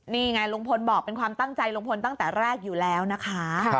นี่ไงลุงพลบอกเป็นความตั้งใจลุงพลตั้งแต่แรกอยู่แล้วนะคะ